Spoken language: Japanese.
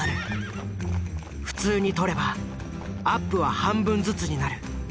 普通に撮ればアップは半分ずつになる。